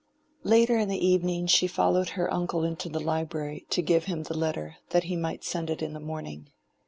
Later in the evening she followed her uncle into the library to give him the letter, that he might send it in the morning.